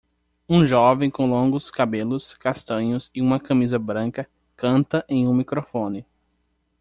Um jovem com longos cabelos castanhos e uma camisa branca canta em um microfone